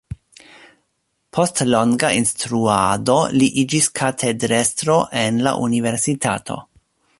Post longa instruado li iĝis katedrestro en la universitato.